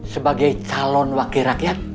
sebagai calon wakil rakyat